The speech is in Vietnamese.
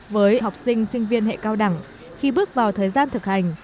với học sinh sinh viên hệ cao đẳng khi bước vào thời gian thực hành